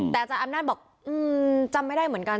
แต่อาจารย์อำนาจบอกจำไม่ได้เหมือนกัน